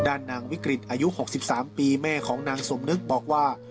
ด้านนางวิกฤตอายุ๖๓ปีแม่ของนางสมนึกบอกว่า